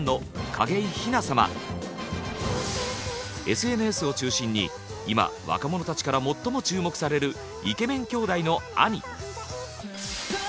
ＳＮＳを中心に今若者たちから最も注目されるイケメン兄弟の兄。